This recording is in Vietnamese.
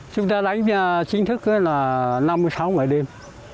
chúng ta đánh chính thức là năm mươi sáu ngày đêm